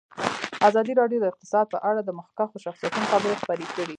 ازادي راډیو د اقتصاد په اړه د مخکښو شخصیتونو خبرې خپرې کړي.